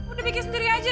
udah bikin sendiri aja